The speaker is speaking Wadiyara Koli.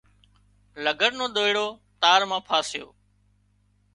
لگھڙ نو ۮوئيڙو تار مان ڦاسيو